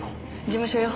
事務所よ。